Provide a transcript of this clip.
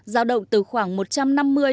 giá cá năm nay bán đắt hơn so với năm ngoái